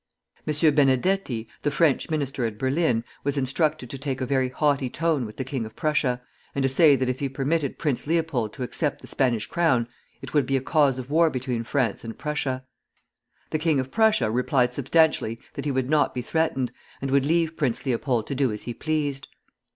M. Benedetti, the French minister at Berlin, was instructed to take a very haughty tone with the king of Prussia, and to say that if he permitted Prince Leopold to accept the Spanish crown, it would be a cause of war between France and Prussia. The king of Prussia replied substantially that he would not be threatened, and would leave Prince Leopold to do as he pleased.